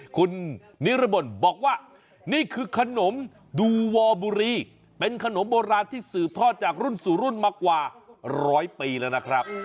คุณนิรบลบอกว่านี่คือขนมดูวอบุรีเป็นขนมโบราณที่สืบทอดจากรุ่นสู่รุ่นมากว่าร้อยปีแล้วนะครับ